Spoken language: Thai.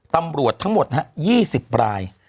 ตำรวจทั้งหมด๒๐ราย